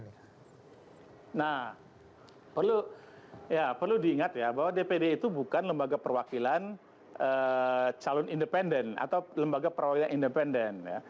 nah perlu diingat ya bahwa dpd itu bukan lembaga perwakilan calon independen atau lembaga perwakilan independen